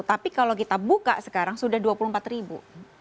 tapi kalau kita buka sekarang sudah dua puluh empat ribu